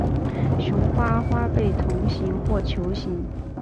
雌花花被筒形或球形。